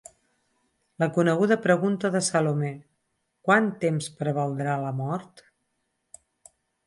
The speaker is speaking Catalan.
La coneguda pregunta de Salome: Quant temps prevaldrà la mort?